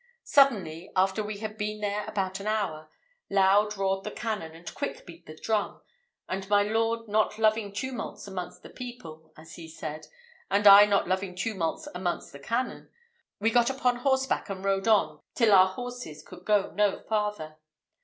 Suddenly, after we had been there about an hour, loud roared the cannon, and quick beat the drum; and my lord not loving tumults amongst the people, as he said, and I not loving tumults amongst the cannon, we got upon horseback, and rode on till our horses could go no farther.